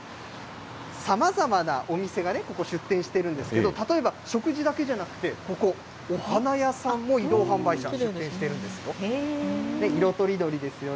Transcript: さまざまなお店がここ、出店してるんですけど、例えば食事だけじゃなくて、ここ、お花屋さんも移動販売車、出店してるんですよ。